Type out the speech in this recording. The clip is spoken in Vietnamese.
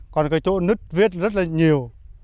còn cái chỗ nứt vết rất là nhiều